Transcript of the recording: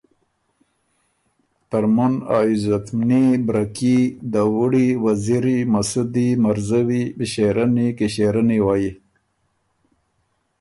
”ترمُن ا عزتمني بره کي، دَوُړی، وزیری، مسُودی، مرزوّی، مݭېرنی، کِݭېرنی وئ!